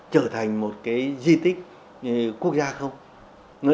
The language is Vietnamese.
trở thành một di tích quốc gia không